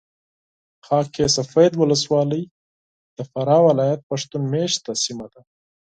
خاک سفید ولسوالي د فراه ولایت پښتون مېشته سیمه ده .